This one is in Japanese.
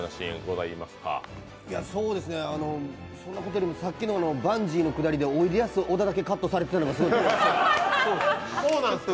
そんなことよりも、さっきのバンジーのくだりでおいでやす小田だけカットされてたのが。